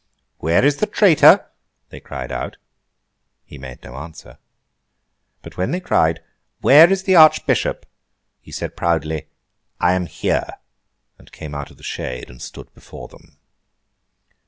'Where is the traitor?' they cried out. He made no answer. But when they cried, 'Where is the Archbishop?' he said proudly, 'I am here!' and came out of the shade and stood before them.